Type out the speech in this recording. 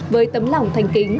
với tấm lòng thành kính